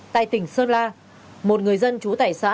tại tỉnh sơn la một người dân chú tải xã